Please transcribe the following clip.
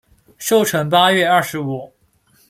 寿辰八月二十五。